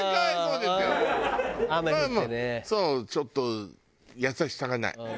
ちょっと優しさがない。